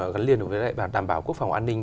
gắn liên với đảm bảo quốc phòng an ninh